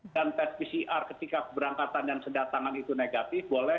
dan tes pcr ketika berangkatan dan sedatangan itu negatif